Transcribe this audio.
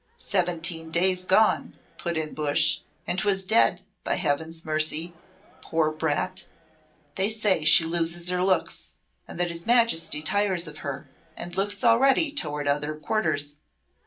"Seventeen days gone," put in Bush; "and 'twas dead, by Heaven's mercy, poor brat. They say she loses her looks, and that his Majesty tires of her, and looks already toward other quarters."